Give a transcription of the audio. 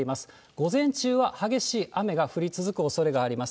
午前中は激しい雨が降り続くおそれがあります。